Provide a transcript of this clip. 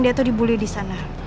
dia dibully di sana